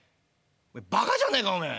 「バカじゃねえかおめえ！